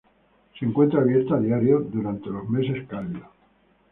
Se encuentra abierto a diario durante los meses cálidos.